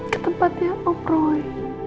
ke tempatnya om roy